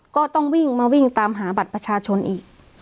ก็ต้องวิ่งมาวิ่งตามหาบัตรประชาชนอีก